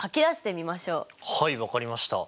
はい分かりました。